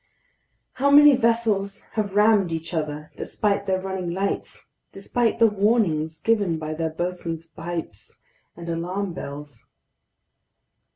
How many vessels have rammed each other, despite their running lights, despite the warnings given by their bosun's pipes and alarm bells!